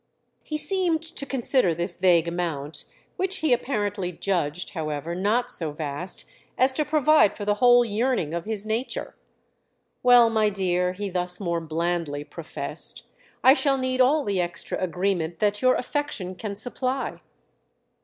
He seemed to consider this vague amount—which he apparently judged, however, not so vast as to provide for the whole yearning of his nature. "Well, my dear," he thus more blandly professed, "I shall need all the extra agrément that your affection can supply."